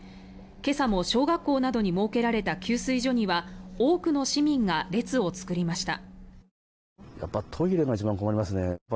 今朝も小学校などに設けられた給水所には多くの市民が列を作りました。